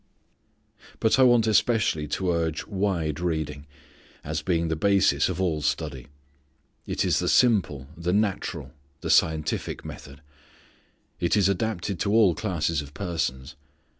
But I want especially to urge wide reading, as being the basis of all study. It is the simple, the natural, the scientific method. It is adapted to all classes of persons.